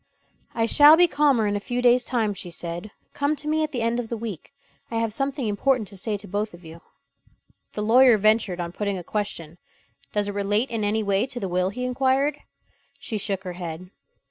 "I shall be calmer in a few days' time," she said. "Come to me at the end of the week. I have something important to say to both of you." The lawyer ventured on putting a question. "Does it relate in any way to the will?" he inquired. She shook her head.